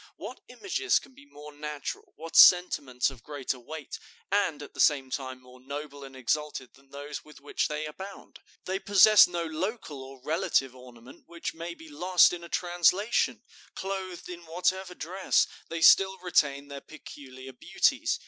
What images can be more natural, what sentiments of greater weight and at the same time more noble and exalted than those with which they abound? They possess no local or relative ornament which may be lost in a translation; clothed in whatever dress, they still retain their peculiar beauties.